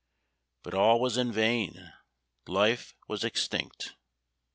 But all was in vain life was extinct.